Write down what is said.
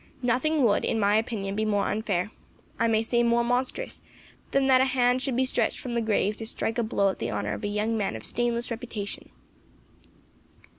Nothing would, in my opinion, be more unfair, I may say more monstrous, than that a hand should be stretched from the grave to strike a blow at the honour of a young man of stainless reputation."